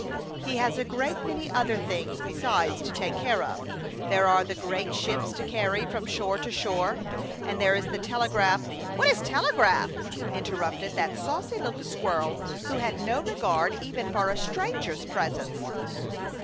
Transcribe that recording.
"He has a great many other things besides to take care of ; there are the great ships to carry from shore to shore, and there is the tele graph, —''" What is telegraph ?" interrupted that saucy little squirrel who had no regard even for a stranger s presence.